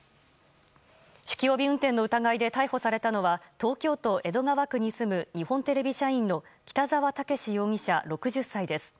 酒気帯び運転の疑いで逮捕されたのは東京都江戸川区に住む日本テレビ社員の北澤毅容疑者、６０歳です。